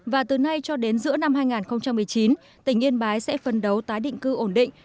và từ nay cho đến giữa năm hai nghìn một mươi chín tỉnh yên bái sẽ phân đấu tái định cư ổn định